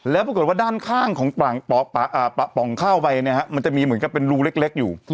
แล้วปรากฏว่าด้านข้างของป่องเข้าไปเนี่ยฮะมันจะมีเหมือนกับเป็นรูเล็กอยู่